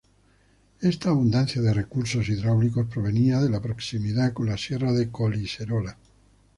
Esta abundancia de recursos hidráulicos provenía de la proximidad con la sierra de Collserola.